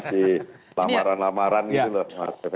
masih lamaran lamaran ini loh